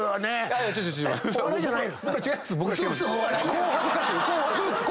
はい！